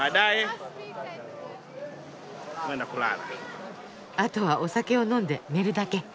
あとはお酒を飲んで寝るだけ。